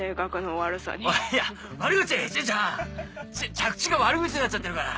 着地が悪口になっちゃってるから。